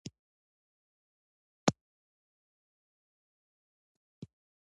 د بیان ازادي مهمه ده ځکه چې برابري راولي.